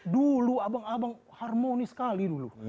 dulu abang abang harmonis sekali dulu